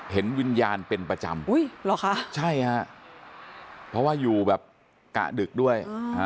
เห็นวิญญาณเป็นประจำเหรอคะใช่ฮะเพราะว่าอยู่แบบกะดึกด้วย